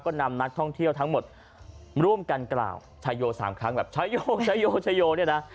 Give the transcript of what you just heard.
ก็นำนักท่องเที่ยวทั้งหมดร่วมกันกล่าวชะโยสามครั้งแบบชะโยเนี่ยนะ